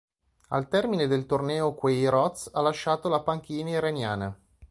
Al termine del torneo Queiroz ha lasciato la panchina iraniana.